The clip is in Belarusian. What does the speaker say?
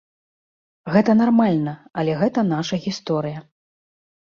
Гэта нармальна, але гэта наша гісторыя.